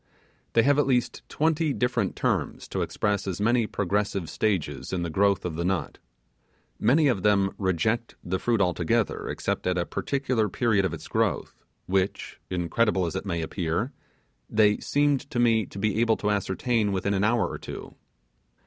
They have at least twenty different terms to express as many progressive stages in the growth of the nut. Many of them reject the fruit altogether except at a particular period of its growth, which, incredible as it may appear, they seemed to me to be able to ascertain within an hour or two.